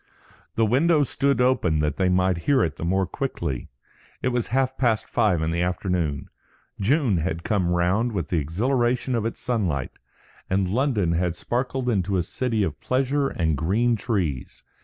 The window stood open that they might hear it the more quickly. It was half past five in the afternoon. June had come round again with the exhilaration of its sunlight, and London had sparkled into a city of pleasure and green trees.